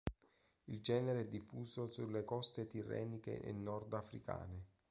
Il genere è diffuso sulle coste Tirreniche e Nord-Africane.